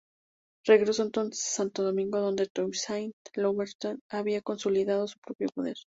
Regresó entonces a Santo Domingo donde Toussaint Louverture había consolidado su propio poder.